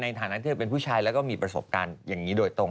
ฐานะที่เธอเป็นผู้ชายแล้วก็มีประสบการณ์อย่างนี้โดยตรง